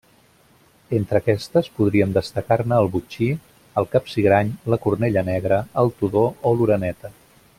Entre aquestes podríem destacar-ne el botxí, el capsigrany, la cornella negra, el tudó o l'oreneta.